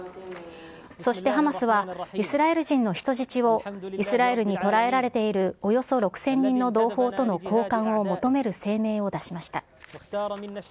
そしてハマスは、イスラエル人の人質をイスラエルに捕らえられているおよそ６０００人の同胞との交換を求める声明を出しました。